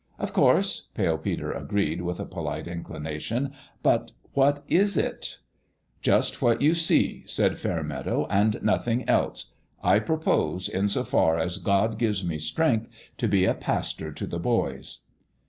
" Of course," Pale Peter agreed, with a polite inclination ;" but what is it ?" "Just what you see," said Fairmeadow, " and nothing else. I propose, in so far as God gives me strength, to be a pastor to the boys."